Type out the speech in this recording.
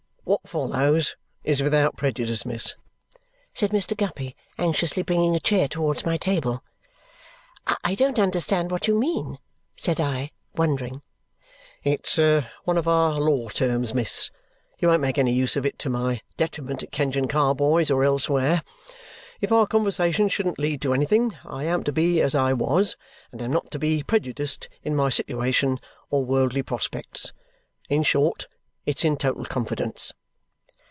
"What follows is without prejudice, miss?" said Mr. Guppy, anxiously bringing a chair towards my table. "I don't understand what you mean," said I, wondering. "It's one of our law terms, miss. You won't make any use of it to my detriment at Kenge and Carboy's or elsewhere. If our conversation shouldn't lead to anything, I am to be as I was and am not to be prejudiced in my situation or worldly prospects. In short, it's in total confidence."